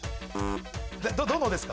どのですか？